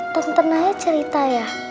tenten aja cerita ya